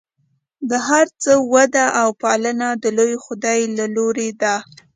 د هر څه وده او پالنه د لوی خدای له لورې ده.